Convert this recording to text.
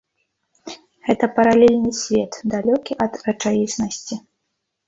Гэта паралельны свет, далёкі ад рэчаіснасці.